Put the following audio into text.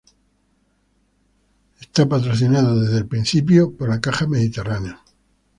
Está patrocinado desde sus inicios por la Caja Mediterráneo.